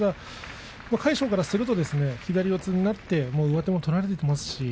魁勝からすると左四つになって上手を取れています。